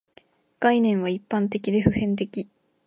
概念は一般的で普遍的